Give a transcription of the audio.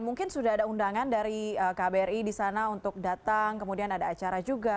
mungkin sudah ada undangan dari kbri di sana untuk datang kemudian ada acara juga